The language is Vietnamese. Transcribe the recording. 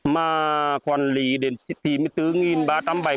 mà quản lý đến bảy mươi bốn ba trăm bảy mươi mảnh hạt á